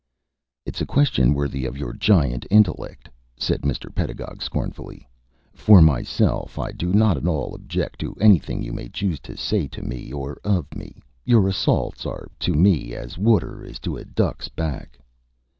"It's a question worthy of your giant intellect," said Mr. Pedagog, scornfully. "For myself, I do not at all object to anything you may choose to say to me or of me. Your assaults are to me as water is to a duck's back."